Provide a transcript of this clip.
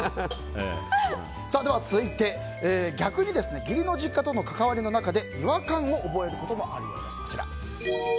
続いて、逆に義理の実家との関わりの中で違和感を覚えることもあるようです。